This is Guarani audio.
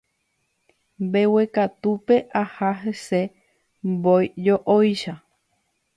Mbeguekatúpe aha hese mbói jo'óicha.